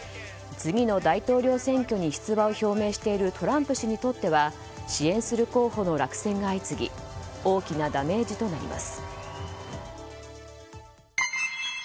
次の大統領選挙に出馬を表明しているトランプ氏にとっては支援する候補の落選が相次ぎ大きなダメージとなります。